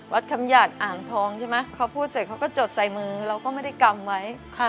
คำหยาดอ่างทองใช่ไหมเขาพูดเสร็จเขาก็จดใส่มือเราก็ไม่ได้กำไว้